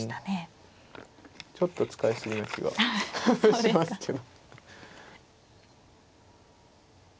ちょっと使い過ぎな気はしますけど。